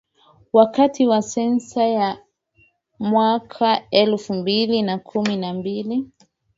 wakati wa sensa ya mwaka elfu mbili na kumi na mbili